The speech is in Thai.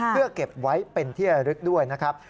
เพื่อเก็บไว้เป็นที่ระลึกด้วยนะครับ